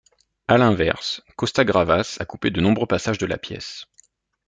À l'inverse, Costa-Gavras a coupé de nombreux passages de la pièce.